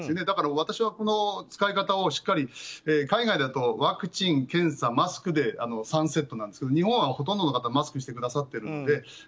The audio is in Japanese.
だから私はこの使い方をしっかりやって、海外だとワクチン・検査・マスクで３セットなんですけど日本はほとんどの方がマスクをなさってるので。